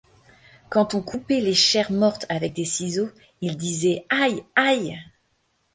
Quand on coupait les chairs mortes avec des ciseaux, il disait: aïe! aïe !